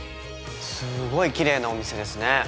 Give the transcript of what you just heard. すごいキレイなお店ですね。